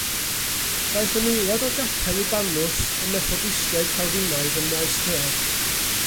Daeth yn aelod o Gapel Libanus, Y Methodistiaid Calfinaidd, ym Maesteg.